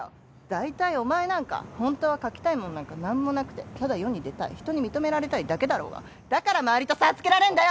大体お前なんかホントは書きたいもんなんか何もなくてただ世に出たい人に認められたいだけだろうがだから周りと差つけられんだよ！